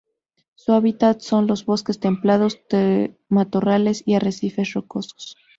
Su hábitat son los bosques templados, matorrales y arrecifes rocosos.